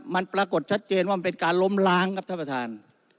มันปรากฏชัดเจนว่ามันเป็นการล้มล้างครับท่านประธาน